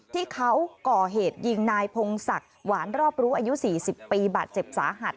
ที่เขาก่อเหตุยิงนายพงศักดิ์หวานรอบรู้อายุ๔๐ปีบาดเจ็บสาหัส